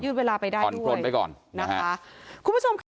ยืดเวลาไปได้ด้วยผ่อนโปรนไปก่อนนะคะ